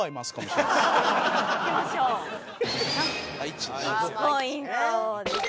１ポイントですね。